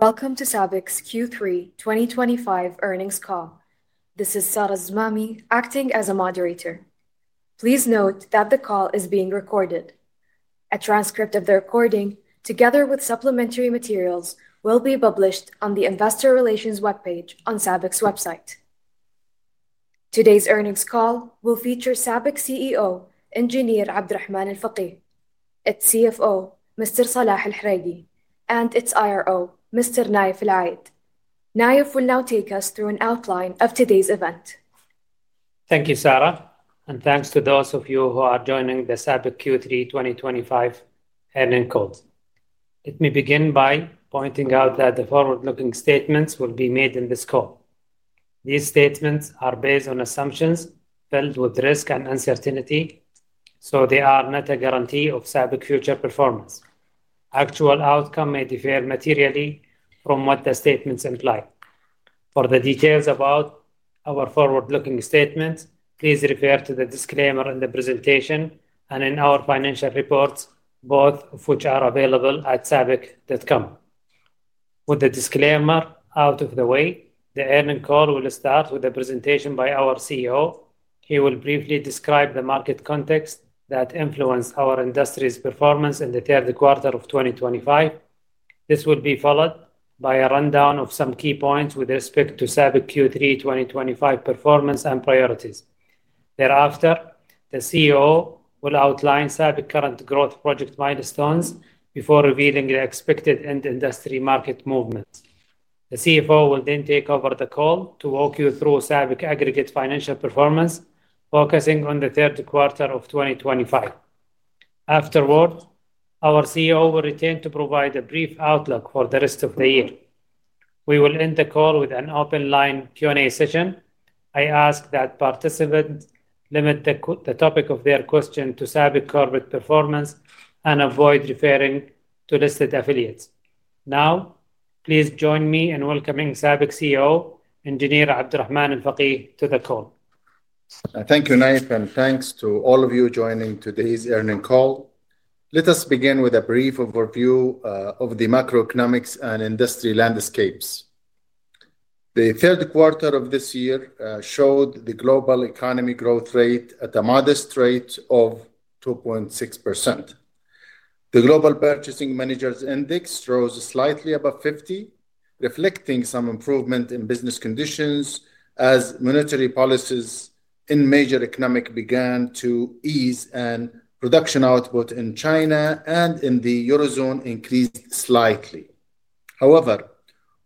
Welcome to SABIC's Q3 2025 earnings call. This is Sara Alzamami, acting as a moderator. Please note that the call is being recorded. A transcript of the recording, together with supplementary materials, will be published on the Investor Relations webpage on SABIC's website. Today's earnings call will feature SABIC CEO Engr. Abdulrahman Al-Fageeh, its CFO Mr. Salah Al-Hareky, and its IRO Mr. Naif Al-Ayed. Naif will now take us through an outline of today's event. Thank you, Sarah, and thanks to those of you who are joining the SABIC Q3 2025 earnings call. Let me begin by pointing out that forward-looking statements will be made in this call. These statements are based on assumptions filled with risk and uncertainty, so they are not a guarantee of SABIC future performance. Actual outcomes may differ materially from what the statements imply. For the details about our forward-looking statements, please refer to the disclaimer in the presentation and in our financial reports, both of which are available at sabic.com. With the disclaimer out of the way, the earnings call will start with a presentation by our CEO. He will briefly describe the market context that influenced our industry's performance in the third quarter of 2025. This will be followed by a rundown of some key points with respect to SABIC Q3 2025 performance and priorities. Thereafter, the CEO will outline SABIC's current growth project milestones before revealing the expected end-industry market movements. The CFO will then take over the call to walk you through SABIC's aggregate financial performance, focusing on the third quarter of 2025. Afterwards, our CEO will attempt to provide a brief outlook for the rest of the year. We will end the call with an open line Q&A session. I ask that participants limit the topic of their questions to SABIC's corporate performance and avoid referring to listed affiliates. Now, please join me in welcoming SABIC CEO Engr. Abdulrahman Al-Fageeh to the call. Thank you, Naif, and thanks to all of you joining today's earnings call. Let us begin with a brief overview of the macroeconomic and industry landscapes. The third quarter of this year showed the global economy growth rate at a modest rate of 2.6%. The Global Purchasing Managers' Index rose slightly above 50, reflecting some improvement in business conditions as monetary policies in major economies began to ease and production output in China and in the Eurozone increased slightly. However,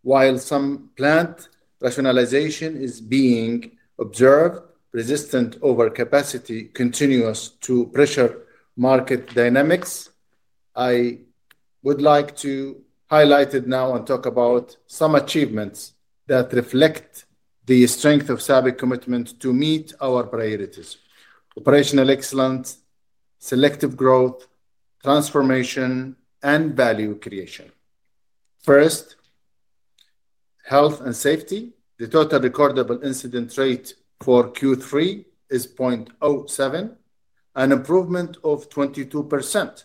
while some plant rationalization is being observed, resistance over capacity continues to pressure market dynamics. I would like to highlight now and talk about some achievements that reflect the strength of SABIC's commitment to meet our priorities: operational excellence, selective growth, transformation, and value creation. First, health and safety: the total recordable incident rate for Q3 is 0.07, an improvement of 22%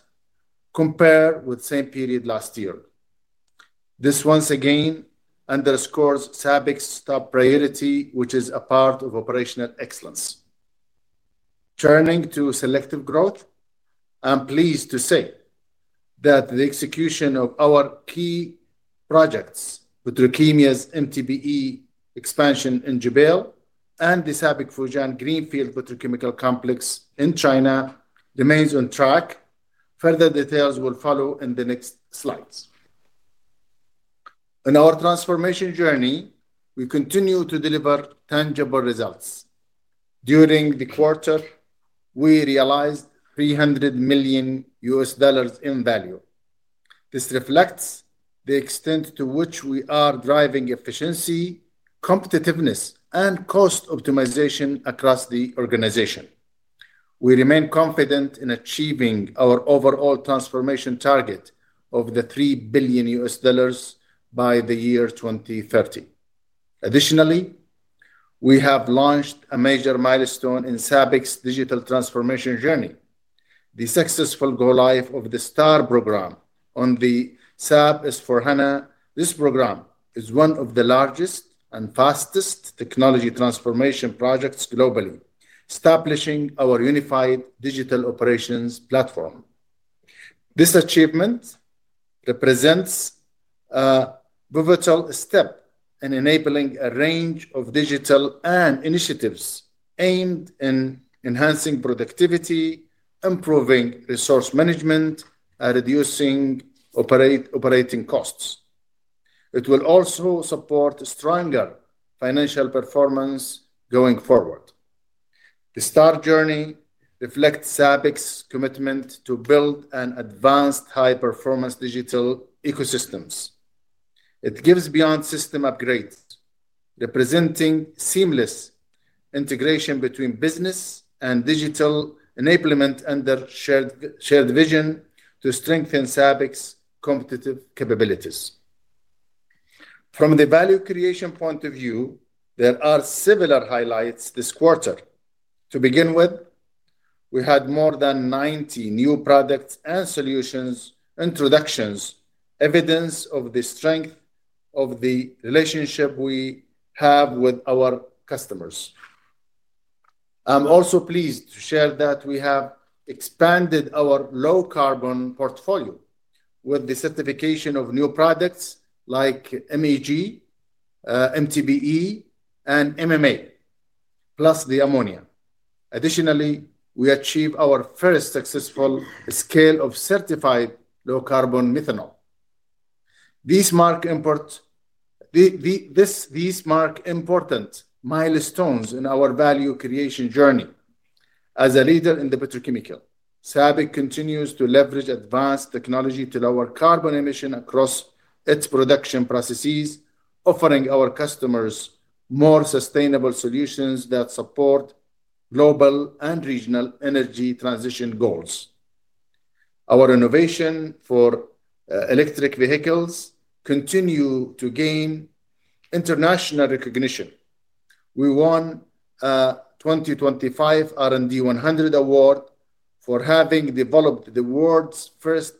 compared with the same period last year. This once again underscores SABIC's top priority, which is a part of operational excellence. Turning to selective growth, I'm pleased to say that the execution of our key projects, Petrokemya's MTBE expansion in Jubail and the SABIC Fujian Greenfield Petrochemical Complex in China, remains on track. Further details will follow in the next slides. In our transformation journey, we continue to deliver tangible results. During the quarter, we realized $300 million in value. This reflects the extent to which we are driving efficiency, competitiveness, and cost optimization across the organization. We remain confident in achieving our overall transformation target of $3 billion by the year 2030. Additionally, we have launched a major milestone in SABIC's digital transformation journey: the successful go-live of the STAR program on the SAP S/4HANA. This program is one of the largest and fastest technology transformation projects globally, establishing our unified digital operations platform. This achievement represents a pivotal step in enabling a range of digital initiatives aimed at enhancing productivity, improving resource management, and reducing operating costs. It will also support stronger financial performance going forward. The STAR journey reflects SABIC's commitment to build and advance high-performance digital ecosystems. It goes beyond system upgrades, representing seamless integration between business and digital enablement under a shared vision to strengthen SABIC's competitive capabilities. From the value creation point of view, there are similar highlights this quarter. To begin with, we had more than 90 new products and solutions introductions, evidence of the strength of the relationship we have with our customers. I'm also pleased to share that we have expanded our low-carbon portfolio with the certification of new products like MEG, MTBE, and MMA, plus the ammonia. Additionally, we achieved our first successful scale of certified low-carbon methanol. These mark important milestones in our value creation journey. As a leader in the petrochemical industry, SABIC continues to leverage advanced technology to lower carbon emissions across its production processes, offering our customers more sustainable solutions that support global and regional energy transition goals. Our innovation for electric vehicles continues to gain international recognition. We won. A 2025 R&D 100 award for having developed the world's first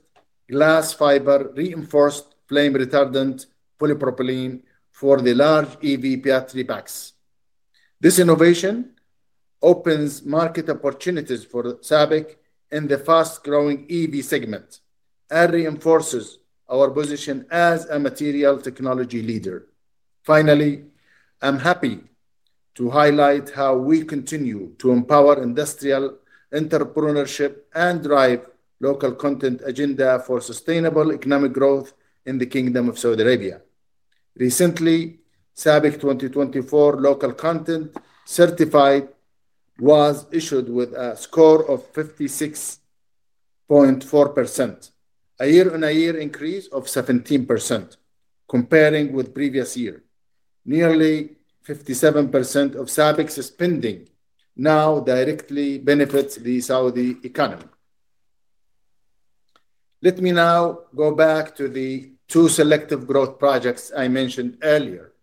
glass fiber reinforced flame retardant polypropylene for the large EV battery packs. This innovation opens market opportunities for SABIC in the fast-growing EV segment and reinforces our position as a material technology leader. Finally, I'm happy to highlight how we continue to empower industrial entrepreneurship and drive a local content agenda for sustainable economic growth in the Kingdom of Saudi Arabia. Recently, SABIC 2024 Local Content Certified was issued with a score of 56.4%, a year-on-year increase of 17%. Comparing with the previous year, nearly 57% of SABIC's spending now directly benefits the Saudi economy. Let me now go back to the two selective growth projects I mentioned earlier.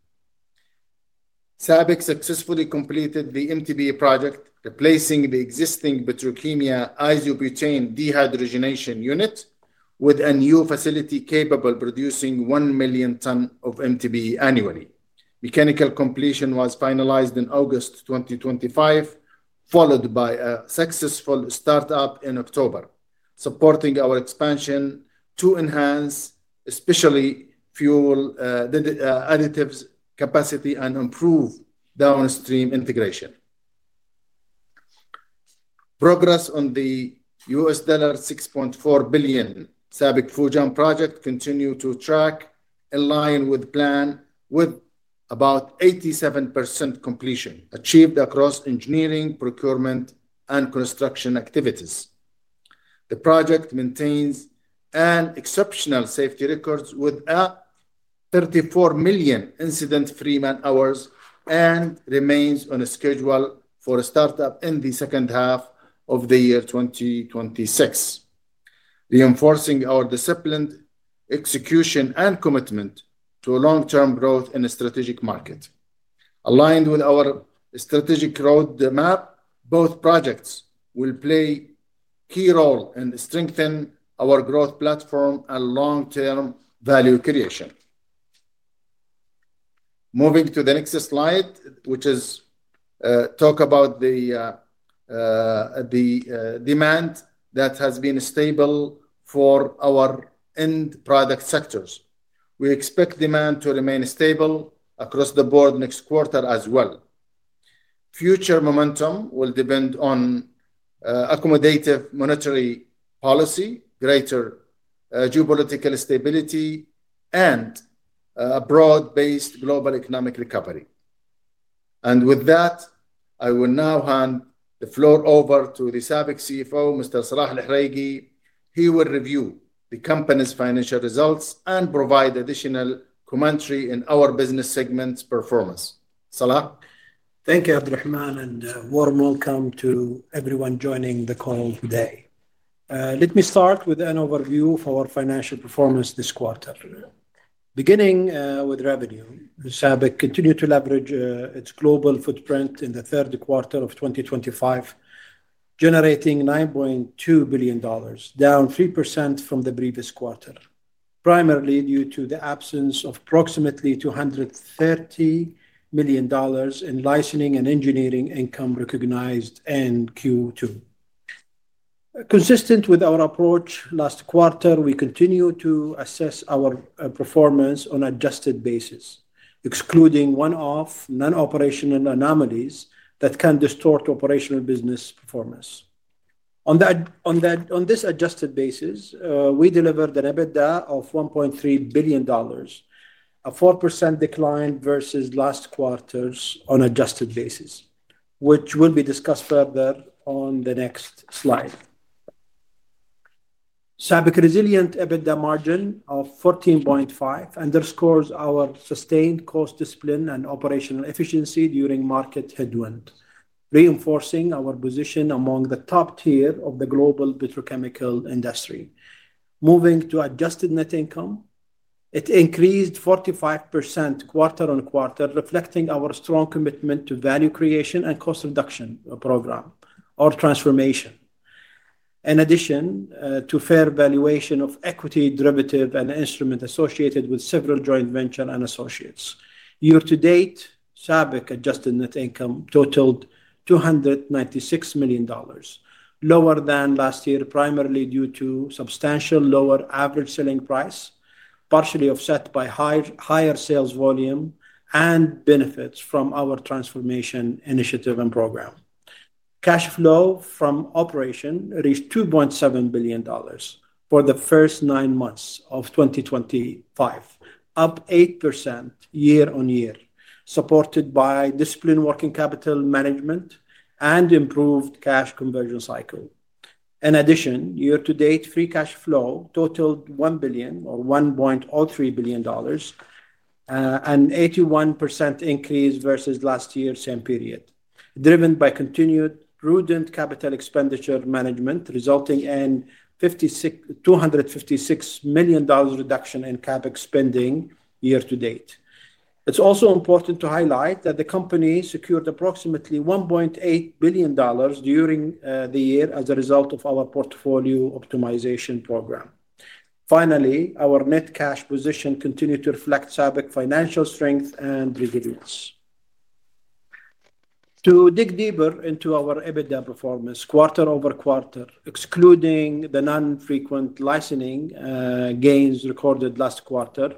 SABIC successfully completed the MTBE project, replacing the existing Petrokemya isobutane dehydrogenation unit with a new facility capable of producing 1 million tons of MTBE annually. Mechanical completion was finalized in August 2025, followed by a successful start-up in October, supporting our expansion to enhance especially fuel additives capacity and improve downstream integration. Progress on the $6.4 billion SABIC-Fujian project continues to track in line with the plan, with about 87% completion achieved across engineering, procurement, and construction activities. The project maintains exceptional safety records with 34 million incident-free man-hours and remains on a schedule for a start-up in the second half of the year 2026, reinforcing our disciplined execution and commitment to long-term growth in a strategic market. Aligned with our strategic roadmap, both projects will play a key role in strengthening our growth platform and long-term value creation. Moving to the next slide, which is talk about the demand that has been stable for our end product sectors. We expect demand to remain stable across the board next quarter as well. Future momentum will depend on accommodative monetary policy, greater geopolitical stability, and a broad-based global economic recovery. With that, I will now hand the floor over to the SABIC CFO, Mr. Salah Al-Hareky. He will review the company's financial results and provide additional commentary on our business segment's performance. Salah. Thank you, Abdulrahman, and warm welcome to everyone joining the call today. Let me start with an overview of our financial performance this quarter. Beginning with revenue, SABIC continued to leverage its global footprint in the third quarter of 2025. Generating $9.2 billion, down 3% from the previous quarter, primarily due to the absence of approximately $230 million in licensing and engineering income recognized in Q2. Consistent with our approach, last quarter, we continued to assess our performance on an adjusted basis, excluding one-off, non-operational anomalies that can distort operational business performance. On this adjusted basis, we delivered an EBITDA of $1.3 billion, a 4% decline versus last quarter's on an adjusted basis, which will be discussed further on the next slide. SABIC's resilient EBITDA margin of 14.5% underscores our sustained cost discipline and operational efficiency during market headwinds, reinforcing our position among the top tier of the global petrochemical industry. Moving to adjusted net income, it increased 45% quarter-on-quarter, reflecting our strong commitment to value creation and cost reduction program, or transformation. In addition to fair valuation of equity, derivatives, and instruments associated with several joint ventures and associates, year-to-date, SABIC's adjusted net income totaled $296 million, lower than last year, primarily due to a substantially lower average selling price, partially offset by higher sales volume and benefits from our transformation initiative and program. Cash flow from operations reached $2.7 billion for the first nine months of 2025, up 8% year-on-year, supported by disciplined working capital management and improved cash conversion cycle. In addition, year-to-date, free cash flow totaled $1 billion, or $1.03 billion, an 81% increase versus last year's same period, driven by continued prudent capital expenditure management, resulting in a $256 million reduction in CapEx spending year-to-date. It is also important to highlight that the company secured approximately $1.8 billion during the year as a result of our portfolio optimization program. Finally, our net cash position continued to reflect SABIC's financial strength and resilience. To dig deeper into our EBITDA performance, quarter-over-quarter, excluding the non-frequent licensing gains recorded last quarter,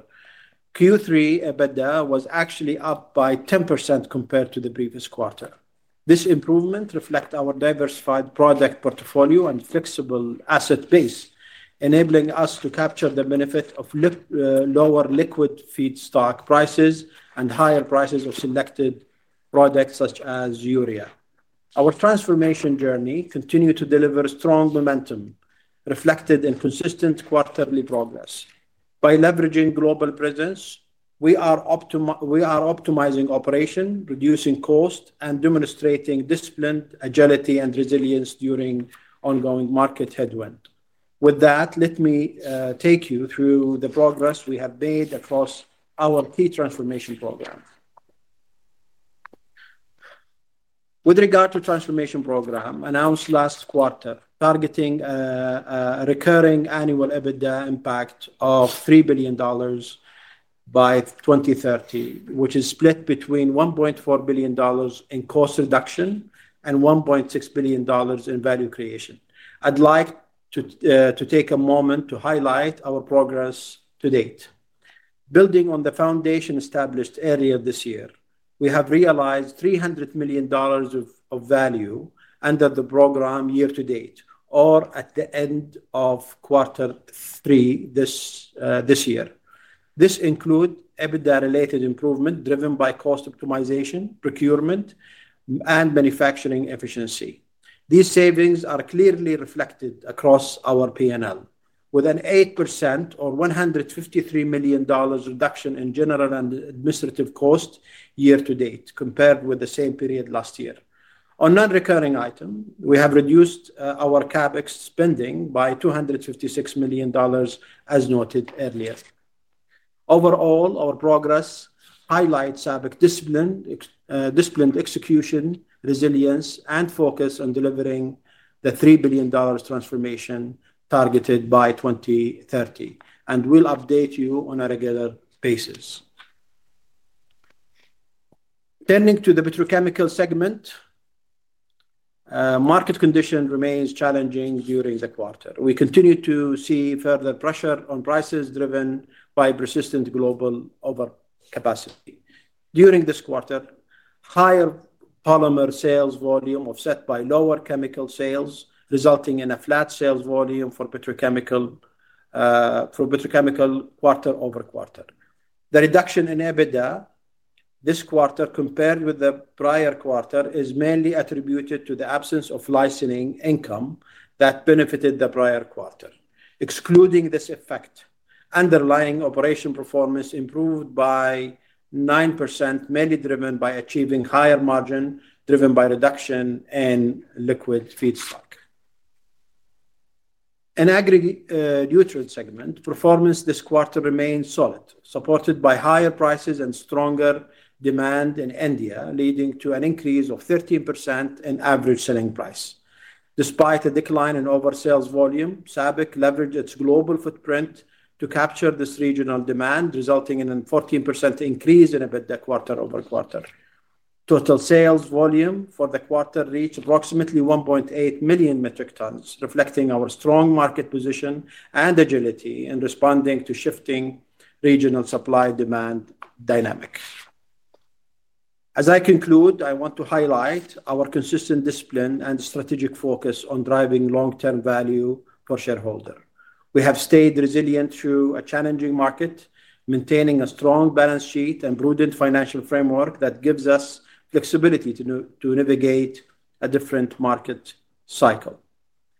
Q3 EBITDA was actually up by 10% compared to the previous quarter. This improvement reflects our diversified product portfolio and flexible asset base, enabling us to capture the benefit of lower liquid feedstock prices and higher prices of selected products such as urea. Our transformation journey continued to deliver strong momentum, reflected in consistent quarterly progress. By leveraging global presence, we are optimizing operations, reducing costs, and demonstrating disciplined agility and resilience during ongoing market headwinds. With that, let me take you through the progress we have made across our key transformation program. With regard to the transformation program announced last quarter, targeting a recurring annual EBITDA impact of $3 billion by 2030, which is split between $1.4 billion in cost reduction and $1.6 billion in value creation. I'd like to take a moment to highlight our progress to date. Building on the foundation established earlier this year, we have realized $300 million of value under the program year-to-date, or at the end of quarter three this year. This includes EBITDA-related improvement driven by cost optimization, procurement, and manufacturing efficiency. These savings are clearly reflected across our P&L, with an 8%, or $153 million, reduction in general and administrative costs year-to-date, compared with the same period last year. On non-recurring items, we have reduced our CapEx spending by $256 million, as noted earlier. Overall, our progress highlights SABIC's disciplined execution, resilience, and focus on delivering the $3 billion transformation targeted by 2030, and we will update you on a regular basis. Turning to the petrochemical segment. Market conditions remained challenging during the quarter. We continue to see further pressure on prices driven by persistent global overcapacity. During this quarter, higher polymer sales volume was offset by lower chemical sales, resulting in a flat sales volume for petrochemical quarter-over-quarter. The reduction in EBITDA this quarter, compared with the prior quarter, is mainly attributed to the absence of licensing income that benefited the prior quarter. Excluding this effect, underlying operational performance improved by 9%, mainly driven by achieving higher margins driven by reduction in liquid feed stock. In the agriculture segment, performance this quarter remained solid, supported by higher prices and stronger demand in India, leading to an increase of 13% in average selling price. Despite a decline in overall sales volume, SABIC leveraged its global footprint to capture this regional demand, resulting in a 14% increase in EBITDA quarter-over-quarter. Total sales volume for the quarter reached approximately 1.8 million metric tons, reflecting our strong market position and agility in responding to shifting regional supply-demand dynamics. As I conclude, I want to highlight our consistent discipline and strategic focus on driving long-term value for shareholders. We have stayed resilient through a challenging market, maintaining a strong balance sheet and a prudent financial framework that gives us flexibility to navigate a different market cycle.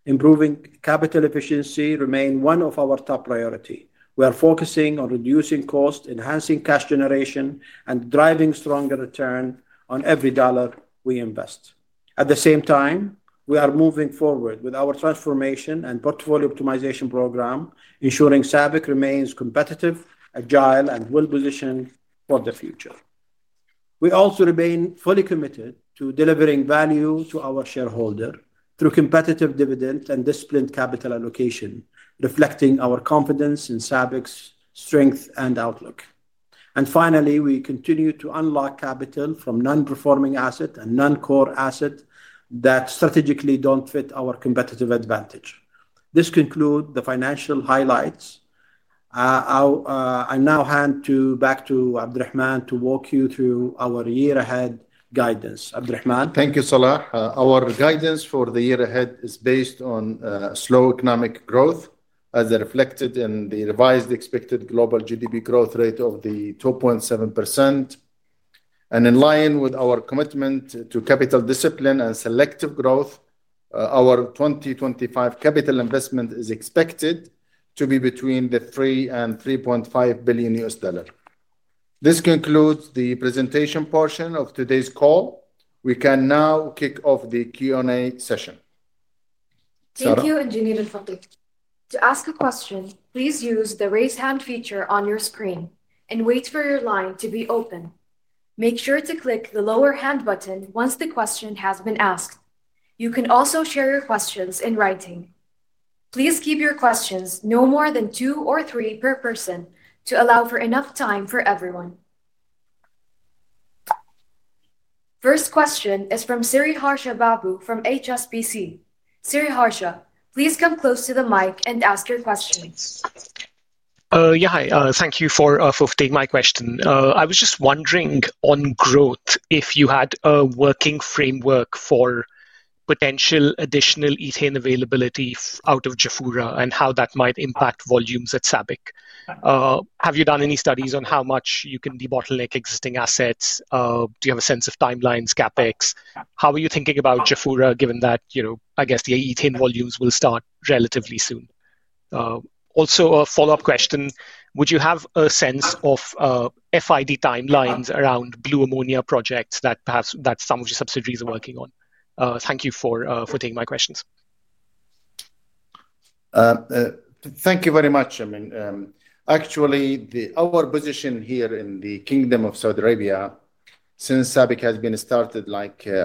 Improving capital efficiency remains one of our top priorities. We are focusing on reducing costs, enhancing cash generation, and driving stronger returns on every dollar we invest. At the same time, we are moving forward with our transformation and portfolio optimization program, ensuring SABIC remains competitive, agile, and well-positioned for the future. We also remain fully committed to delivering value to our shareholders through competitive dividends and disciplined capital allocation, reflecting our confidence in SABIC's strength and outlook. Finally, we continue to unlock capital from non-performing assets and non-core assets that strategically do not fit our competitive advantage. This concludes the financial highlights. I now hand back to Abdulrahman to walk you through our year-ahead guidance. Abdulrahman. Thank you, Salah. Our guidance for the year ahead is based on slow economic growth, as reflected in the revised expected global GDP growth rate of 2.7%. In line with our commitment to capital discipline and selective growth, our 2025 capital investment is expected to be between $3 billion and $3.5 billion. This concludes the presentation portion of today's call. We can now kick off the Q&A session. Thank you, Engineer Al-Fageeh. To ask a question, please use the raise hand feature on your screen and wait for your line to be open. Make sure to click the lower hand button once the question has been asked. You can also share your questions in writing. Please keep your questions no more than two or three per person to allow for enough time for everyone. First question is from Sriharsha Pappu from HSBC. Sriharsha, please come close to the mic and ask your question. Yeah, hi. Thank you for taking my question. I was just wondering on growth if you had a working framework for potential additional ethane availability out of Jafurah and how that might impact volumes at SABIC. Have you done any studies on how much you can debottleneck existing assets? Do you have a sense of timelines, CapEx? How are you thinking about Jafurah given that, I guess, the ethane volumes will start relatively soon? Also, a follow-up question. Would you have a sense of FID timelines around blue ammonia projects that perhaps some of your subsidiaries are working on? Thank you for taking my questions. Thank you very much. I mean, actually, our position here in the Kingdom of Saudi Arabia, since SABIC has been started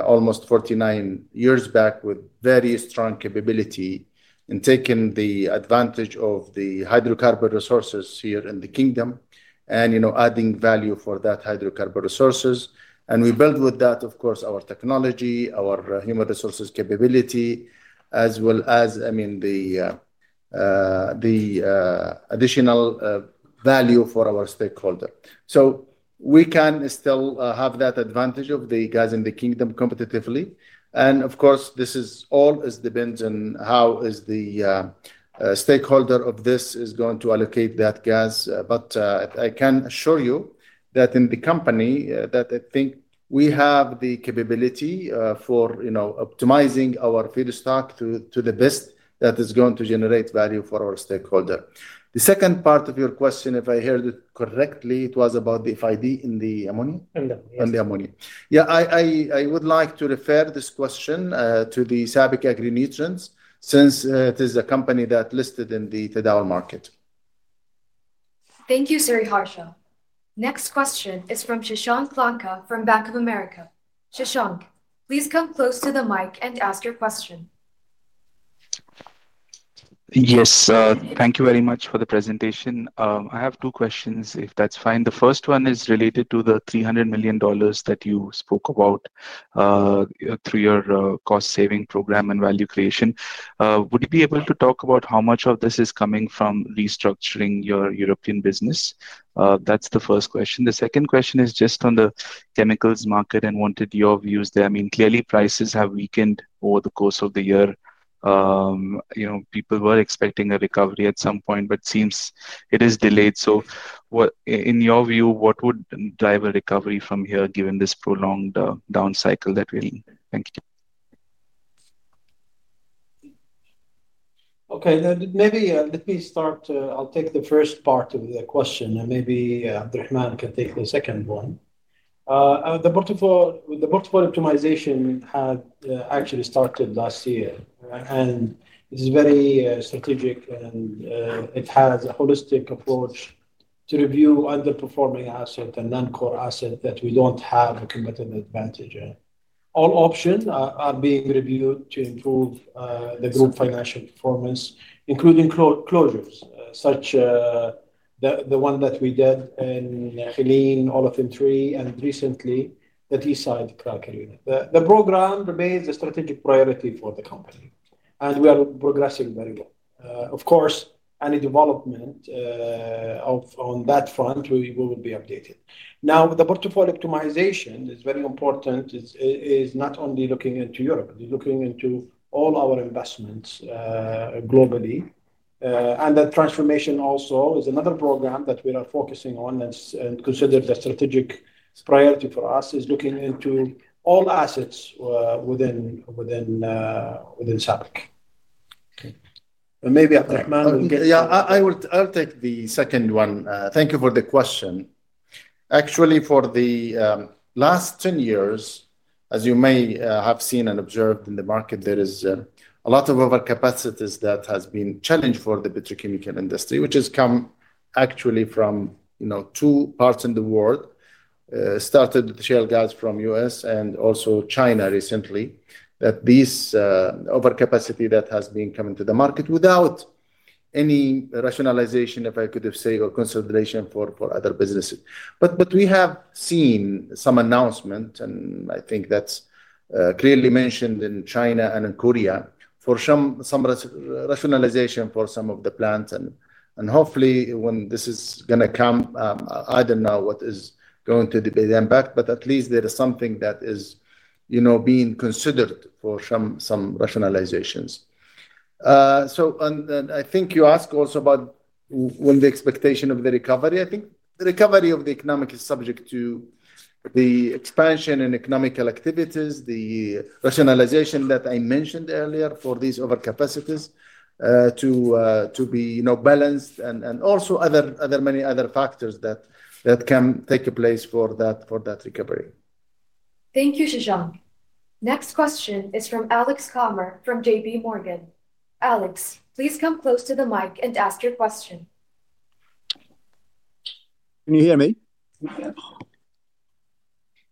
almost 49 years back, with very strong capability and taking advantage of the hydrocarbon resources here in the kingdom and adding value for that hydrocarbon resources. We build with that, of course, our technology, our human resources capability, as well as, I mean, the additional value for our stakeholders. We can still have that advantage of the gas in the kingdom competitively. Of course, this all depends on how the stakeholder of this is going to allocate that gas. I can assure you that in the company, I think we have the capability for optimizing our feed stock to the best that is going to generate value for our stakeholders. The second part of your question, if I heard it correctly, it was about the FID in the ammonia? In the ammonia. In the ammonia. Yeah, I would like to refer this question to the SABIC Agri-Nutrients since it is a company that's listed in the Tadawul market. Thank you, Sriharsha. Next question is from Sashank Lanka from Bank of America. Sashank, please come close to the mic and ask your question. Yes, thank you very much for the presentation. I have two questions, if that's fine. The first one is related to the $300 million that you spoke about. Through your cost-saving program and value creation. Would you be able to talk about how much of this is coming from restructuring your European business? That's the first question. The second question is just on the chemicals market and wanted your views there. I mean, clearly, prices have weakened over the course of the year. People were expecting a recovery at some point, but it seems it is delayed. In your view, what would drive a recovery from here given this prolonged down cycle that we're in? Thank you. Okay, maybe let me start. I'll take the first part of the question, and maybe Abdulrahman can take the second one. The portfolio optimization had actually started last year, and it is very strategic, and it has a holistic approach to review underperforming assets and non-core assets that we don't have a competitive advantage in. All options are being reviewed to improve the group financial performance, including closures, such. The one that we did in Helin, Olufim 3, and recently the Teesside Cracker Unit. The program remains a strategic priority for the company, and we are progressing very well. Of course, any development on that front, we will be updated. Now, the portfolio optimization is very important. It's not only looking into Europe; it's looking into all our investments globally. And that transformation also is another program that we are focusing on and consider the strategic priority for us is looking into all assets within SABIC. Maybe Abdulrahman will get it. Yeah, I'll take the second one. Thank you for the question. Actually, for the last 10 years, as you may have seen and observed in the market, there is a lot of overcapacities that have been a challenge for the petrochemical industry, which has come actually from two parts of the world. Started with shale gas from the US and also China recently, that this overcapacity that has been coming to the market without any rationalization, if I could say, or consolidation for other businesses. We have seen some announcements, and I think that's clearly mentioned in China and in Korea for some rationalization for some of the plants. Hopefully, when this is going to come, I don't know what is going to be the impact, but at least there is something that is being considered for some rationalizations. I think you asked also about the expectation of the recovery. I think the recovery of the economic is subject to the expansion in economic activities, the rationalization that I mentioned earlier for these overcapacities to be balanced, and also many other factors that can take place for that recovery. Thank you, Sashank. Next question is from Alex Comer from JPMorgan. Alex, please come close to the mic and ask your question. Can you hear me?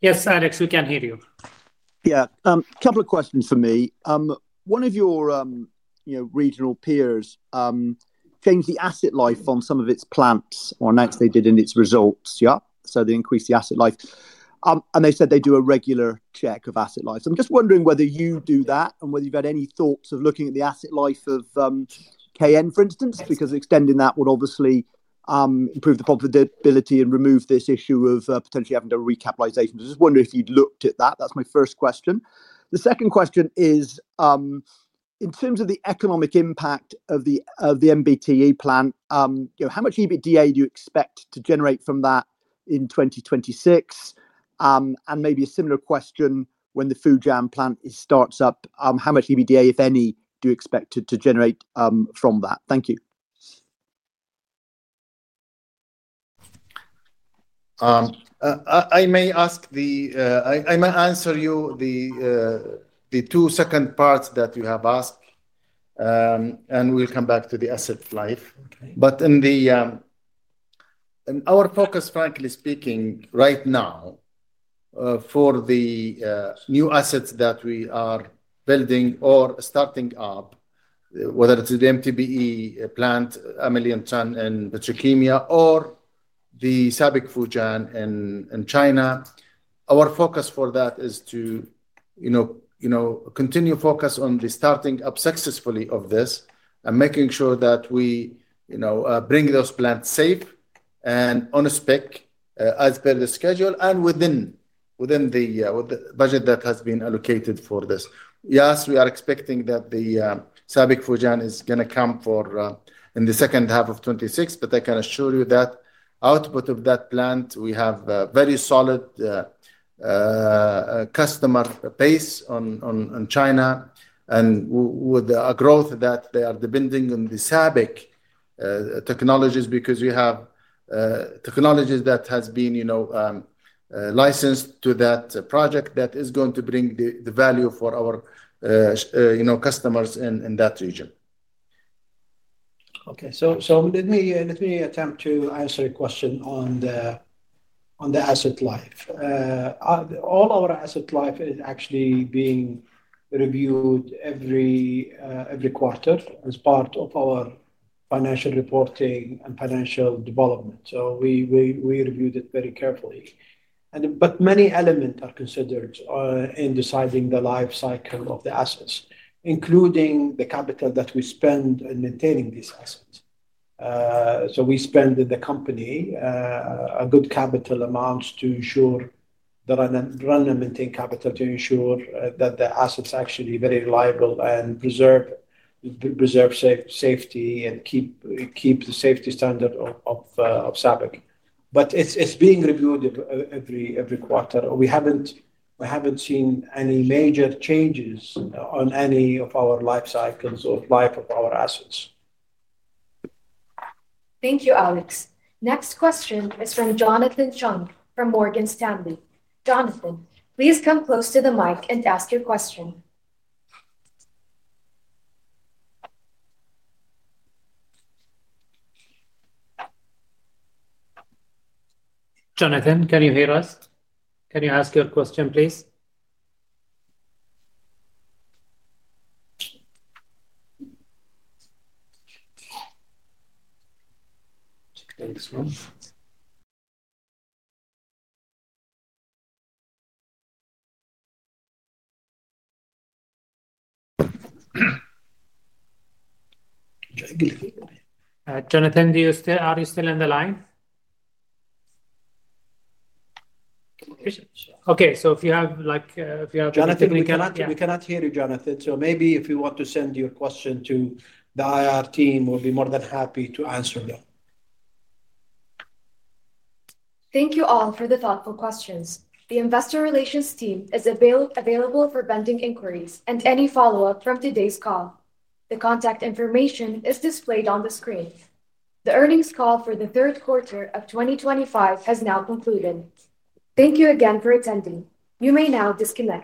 Yes, Alex, we can hear you. Yeah, a couple of questions for me. One of your regional peers changed the asset life on some of its plants or announced they did in its results, yeah? They increased the asset life. They said they do a regular check of asset life. I'm just wondering whether you do that and whether you've had any thoughts of looking at the asset life of KN, for instance, because extending that would obviously improve the profitability and remove this issue of potentially having to recapitalization. I just wondered if you'd looked at that. That's my first question. The second question is, in terms of the economic impact of the MTBE plant, how much EBITDA do you expect to generate from that in 2026? Maybe a similar question when the Fujian plant starts up. How much EBITDA, if any, do you expect to generate from that? Thank you. I may answer you. The two second parts that you have asked. We'll come back to the asset life. Our focus, frankly speaking, right now for the new assets that we are building or starting up, whether it's the MTBE plant, [a million ton] in Petrokemya, or the SABIC Fujian in China, our focus for that is to continue focus on the starting up successfully of this and making sure that we bring those plants safe and on spec as per the schedule and within the budget that has been allocated for this. Yes, we are expecting that the SABIC Fujian is going to come in the second half of 2026, but I can assure you that output of that plant, we have a very solid customer base in China. With a growth that they are depending on the SABIC technologies because we have technologies that have been licensed to that project that is going to bring the value for our customers in that region. Okay, let me attempt to answer a question on the asset life. All our asset life is actually being reviewed every quarter as part of our financial reporting and financial development. We reviewed it very carefully. Many elements are considered in deciding the life cycle of the assets, including the capital that we spend in maintaining these assets. We spend in the company a good capital amount to ensure the run and maintain capital to ensure that the assets are actually very reliable and preserve safety and keep the safety standard of SABIC. It is being reviewed every quarter. We have not seen any major changes on any of our life cycles or life of our assets. Thank you, Alex. Next question is from Jonathan Chung from Morgan Stanley. Jonathan, please come close to the mic and ask your question. Jonathan, can you hear us? Can you ask your question, please? Jonathan, are you still on the line? Okay, so if you have a question. Jonathan, we cannot hear you, Jonathan. Maybe if you want to send your question to the IR team, we'll be more than happy to answer them. Thank you all for the thoughtful questions. The investor relations team is available for vending inquiries and any follow-up from today's call. The contact information is displayed on the screen. The earnings call for the third quarter of 2025 has now concluded. Thank you again for attending. You may now disconnect.